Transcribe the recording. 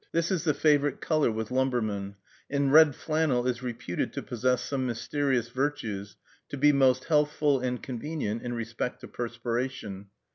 This is the favorite color with lumbermen; and red flannel is reputed to possess some mysterious virtues, to be most healthful and convenient in respect to perspiration.